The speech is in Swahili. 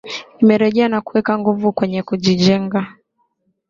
Imerejea na kuweka nguvu kwenye kujijenga